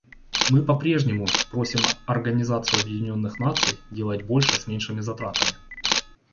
Мы по-прежнему просим Организацию Объединенных Наций делать больше с меньшими затратами.